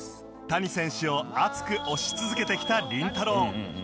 谷選手を熱く推し続けてきたりんたろー。